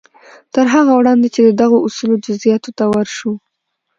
تر هغه وړاندې چې د دغو اصولو جزياتو ته ورشو.